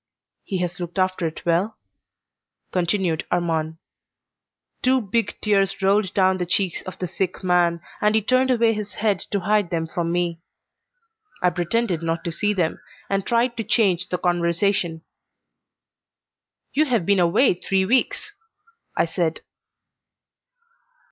"He has looked after it well?" continued Armand. Two big tears rolled down the cheeks of the sick man, and he turned away his head to hide them from me. I pretended not to see them, and tried to change the conversation. "You have been away three weeks," I said.